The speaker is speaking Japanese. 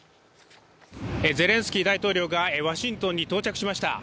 ゼレンスキー大統領がワシントンに到着しました。